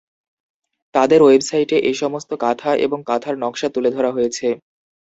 তাদের ওয়েবসাইটে এই সমস্ত কাঁথা এবং কাঁথার নকশা তুলে ধরা হয়েছে।